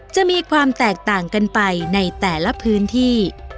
จะมีความแตกต่างกันไปในแต่ละพื้นที่